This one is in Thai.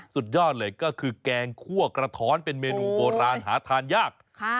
สุดยอดเลยก็คือแกงคั่วกระท้อนเป็นเมนูโบราณหาทานยาก